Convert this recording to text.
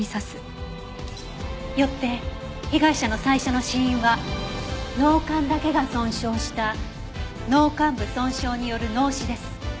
よって被害者の最初の死因は脳幹だけが損傷した脳幹部損傷による脳死です。